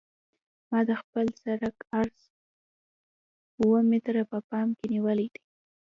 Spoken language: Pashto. ما د خپل سرک عرض اوه متره په پام کې نیولی دی